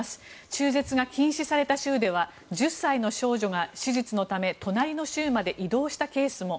中絶が禁止された州では１０歳の少女が手術のため隣の州まで移動したケースも。